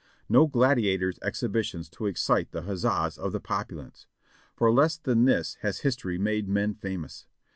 No glad iator's exhibitions to excite the huzzas of the populace. For less than this has history made men famous.